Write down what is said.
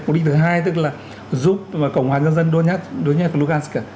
mục đích thứ hai tức là giúp cộng hòa nhân dân donetsk và lugansk